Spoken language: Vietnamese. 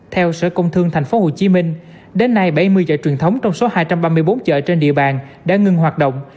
theo sở công thương tp hcm đến nay bảy mươi chợ truyền thống trong số hai trăm ba mươi bốn chợ trên địa bàn đã ngưng hoạt động